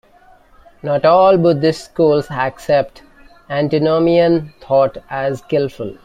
Not all Buddhist schools accept antinomian thought as skillful.